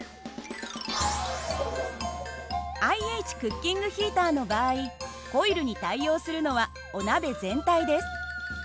ＩＨクッキングヒーターの場合コイルに対応するのはお鍋全体です。